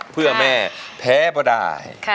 เพื่อแม่แพ้ก็ได้